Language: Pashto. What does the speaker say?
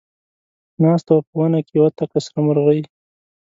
ناسته وه په ونه کې یوه تکه سره مرغۍ